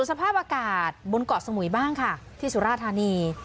สภาพอากาศบนเกาะสมุยบ้างค่ะที่สุราธานี